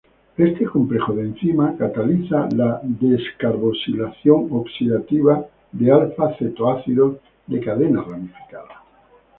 Este complejo de enzima cataliza el descarboxilación oxidativa de alfa-cetoácidos de cadena ramificada.